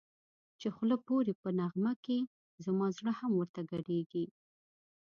چی خوله پوری په نغمه کی زما زړه هم ورته گډېږی